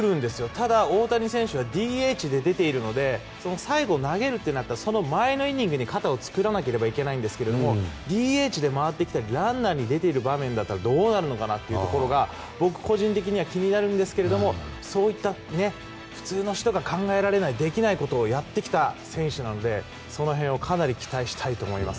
ただ、大谷選手はＤＨで出ているので最後、投げるとなるとその前のイニングに肩を作らないといけないんですがＤＨで回ってきたランナーに出ている場面だったらどうなるのかなと僕、個人的には気になるんですけどそういった普通の人が考えられない、できないことをやってきた選手なのでその辺、かなり期待したいと思います。